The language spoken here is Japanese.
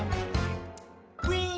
「ウィン！」